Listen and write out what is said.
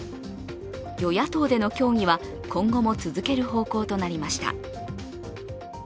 与野党での協議は今後も続ける方向となりました。